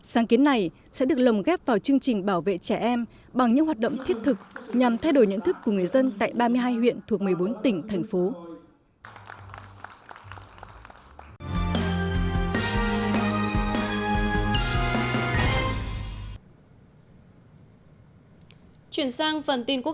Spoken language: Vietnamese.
sáng kiến này sẽ được lồng ghép vào chương trình bảo vệ trẻ em bằng những hoạt động thiết thực nhằm thay đổi nhận thức của người dân tại ba mươi hai huyện thuộc một mươi bốn tỉnh thành phố